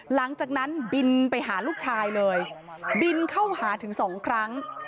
หลังจากนั้นบินไปหาลูกชายเลยบินเข้าหาถึงสองครั้ง